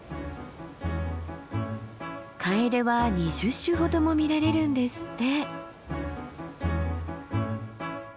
カエデは２０種ほども見られるんですって。